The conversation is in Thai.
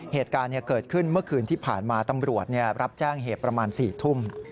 เหตุการณ์เกิดขึ้นเมื่อคืนที่ผ่านมาตำรวจรับแจ้งเหตุประมาณ๔ทุ่ม